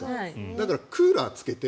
だから、クーラーつけて